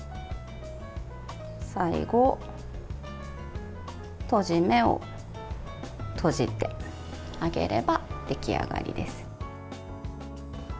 最後、閉じ目を閉じてあげれば出来上がりです。